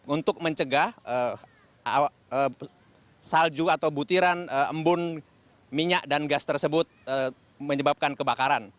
untuk mencegah salju atau butiran embun minyak dan gas tersebut menyebabkan kebakaran